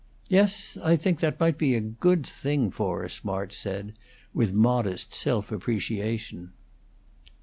Yes, I think it might be a good thing for us," March said, with modest self appreciation.